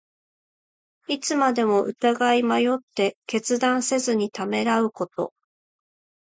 いつまでも疑い迷って、決断せずにためらうこと。